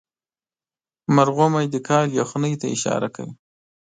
مرغومی د کال یخنۍ ته اشاره کوي.